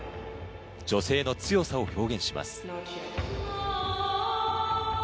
女性の強さを表現します。